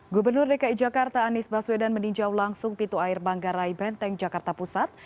gubernur dki jakarta anies baswedan meninjau langsung pintu air manggarai benteng jakarta pusat